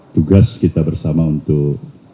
tugas kita bersama untuk